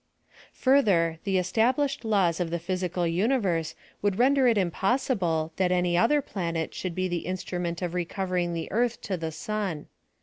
Further, the establihed laws of the physical uni verse would render it impossible that any other plan et should be the instrument of recovering the earth to the sun.